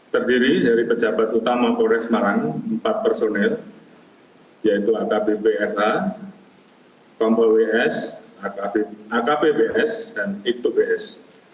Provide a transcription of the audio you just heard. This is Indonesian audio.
terdiri dari pejabat utama polri semarang empat personil yaitu akpprh kompows akpbs dan itubs